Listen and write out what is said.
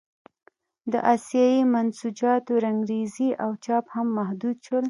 د اسیايي منسوجاتو رنګرېزي او چاپ هم محدود شول.